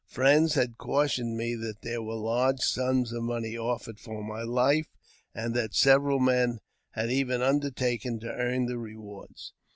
Friends had cautioned me that there were large sums of money offered for my life^ and that several men had even undertaken to earn the rewards.